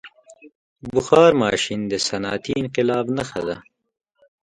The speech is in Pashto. • بخار ماشین د صنعتي انقلاب نښه ده.